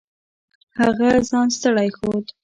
هغه ځان ستړی ښود.